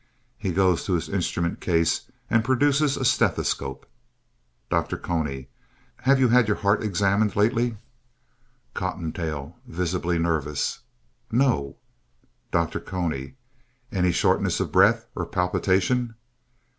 (He goes to his instrument case and produces a stethoscope.) DR. CONY Have you had your heart examined lately? COTTONTAIL (visibly nervous) No. DR. CONY Any shortness of breath or palpitation?